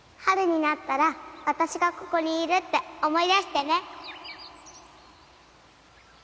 春になったら私がここにいるって思い出してね。